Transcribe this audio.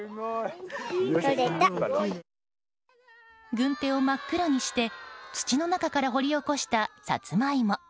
軍手を真っ黒にして土の中から掘り起こしたサツマイモ。